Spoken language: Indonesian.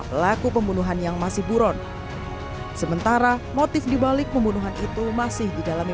pelaku pembunuhan yang masih buron sementara motif dibalik pembunuhan itu masih didalami